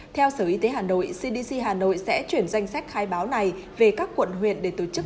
theo sở y tế hà nội cdc hà nội sẽ chuyển danh sách khai báo này về các quận huyện để tổ chức